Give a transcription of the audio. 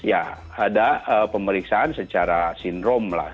ya ada pemeriksaan secara sindrom lah